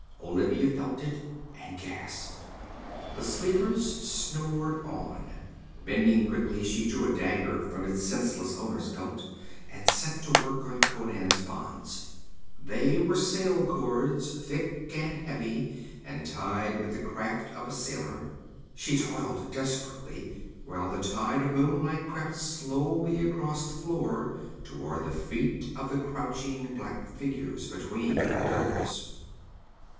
Olivia felt it and gasped. The sleepers snored on. Bending quickly, she drew a dagger from its senseless owner's belt, and set to work on Conan's bonds. They were sail cords, thick and heavy, and tied with the craft of a sailor. She toiled desperately, while the tide of moonlight crept slowly across the floor toward the feet of the crouching black figures between the pillars.